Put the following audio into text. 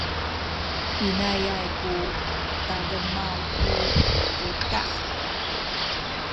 inayay ku tademaw i putah.